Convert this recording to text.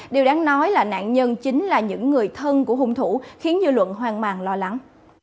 điều đáng nói là nạn nhân chính là những người thân của hung thủ khiến dư luận hoang màng lo lắng